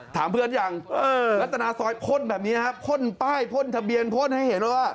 ถามเพื่อนยังรัตนาซอยพ่นแบบนี้ครับพ่นป้ายพ่นทะเบียนพ่นให้เห็นว่า